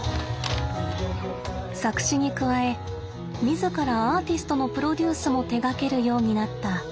作詞に加え自らアーティストのプロデュースも手がけるようになった及川さん。